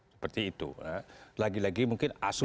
seperti itu lagi lagi mungkin asu